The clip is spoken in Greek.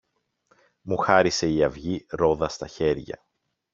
μου χάρισε η αυγή ρόδα στα χέρια.